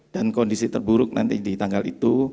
dan kondisi terburuk nanti di tanggal itu